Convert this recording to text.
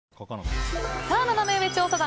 ナナメ上調査団